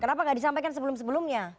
kenapa nggak disampaikan sebelum sebelumnya